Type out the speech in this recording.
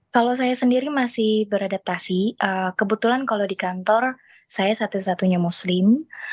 kalau saya sendiri masih beradaptasi kebetulan kalau di kantor saya satu satunya muslim